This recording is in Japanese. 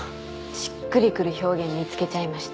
しっくりくる表現見つけちゃいました。